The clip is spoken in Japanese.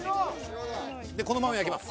でこのまま焼きます。